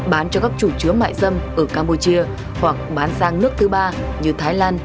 bán cho các chủ chứa mại dâm ở campuchia hoặc bán sang nước thứ ba như thái lan